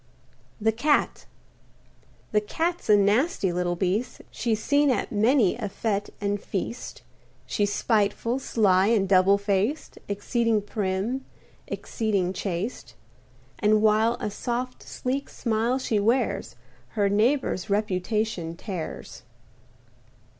THE CAT The Cat's a nasty little beast; She's seen at many a fęte and feast. She's spiteful, sly and double faced, Exceeding prim, exceeding chaste. And while a soft, sleek smile she wears, Her neighbor's reputation tears.